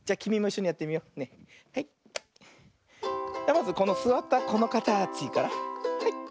まずこのすわったこのかたちからはい。